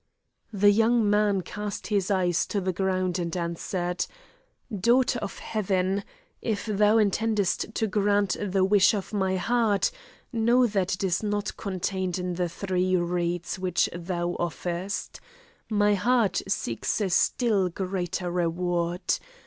The young man cast his eyes to the ground and answered: "Daughter of Heaven, if thou intendest to grant the wish of my heart, know that it is not contained in the three reeds which thou offerest; my heart seeks a still greater reward.